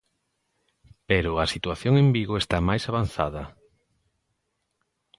Pero a situación en Vigo está máis avanzada.